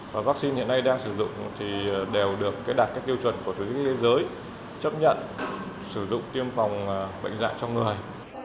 và vắc xin hiện nay đang sử dụng thì đều được đạt các tiêu chuẩn của thế giới chấp nhận sử dụng tiêm phòng bệnh dại cho người